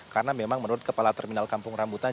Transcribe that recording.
karena memang menurut kepala terminal kampung rambutan